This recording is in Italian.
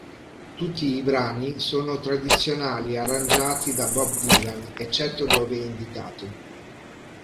Tutti i brani sono tradizionali arrangiati da Bob Dylan eccetto dove indicato.